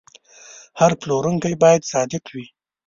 هر پلورونکی باید صادق وي.